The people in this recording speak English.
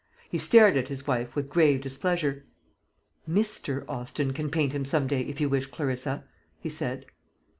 He stared at his wife with grave displeasure. "Mr. Austin can paint him some day, if you wish it, Clarissa," he said.